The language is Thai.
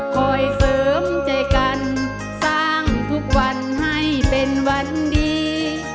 คอยเสริมใจกันสร้างทุกวันให้เป็นวันดี